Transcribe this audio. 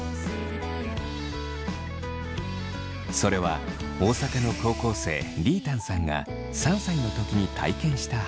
それは大阪の高校生りぃたんさんが３歳の時に体験した話。